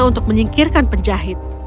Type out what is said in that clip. untuk menyingkirkan penjahit